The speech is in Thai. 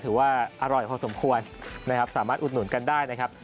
ถือว่าอร่อยพอสมควรนะครับสามารถอุดหนุนกันได้นะครับ